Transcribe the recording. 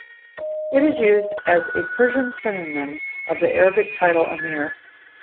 It is used as a Persian synonym of the Arabic title "Amir".